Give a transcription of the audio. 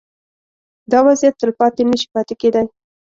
دا وضعیت تلپاتې نه شي پاتې کېدای.